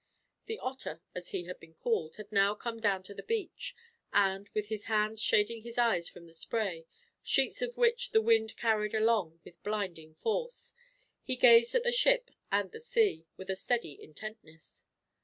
The Otter, as he had been called, had now come down to the beach; and, with his hands shading his eyes from the spray, sheets of which the wind carried along with blinding force, he gazed at the ship and the sea, with a steady intentness.